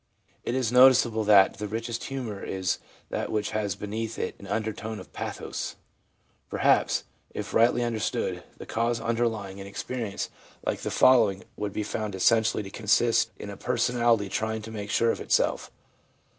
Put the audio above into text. It is noticeable that the richest humour is that which has beneath it an undertone of pathos. Per haps, if rightly understood, the cause underlying an experience like the following would be found essentially to consist in a personality trying to make sure of itself.